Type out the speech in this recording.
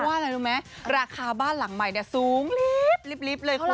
อะไรรู้ไหมราคาบ้านหลังใหม่เนี่ยสูงลิฟต์เลยคุณ